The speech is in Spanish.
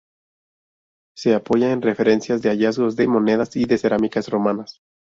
Se apoya en referencias de hallazgos de monedas y de cerámicas romanas.